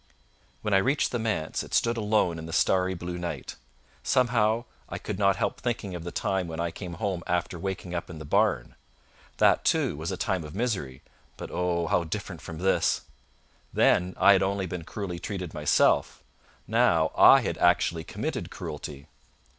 When I reached the manse, it stood alone in the starry blue night. Somehow I could not help thinking of the time when I came home after waking up in the barn. That, too, was a time of misery, but, oh! how different from this! Then I had only been cruelly treated myself; now I had actually committed cruelty.